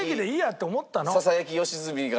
ささやき良純が。